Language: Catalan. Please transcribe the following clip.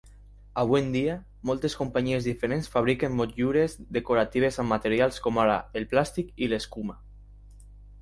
Avui en dia, moltes companyies diferents fabriquen motllures decoratives amb materials com ara el plàstic i l'escuma.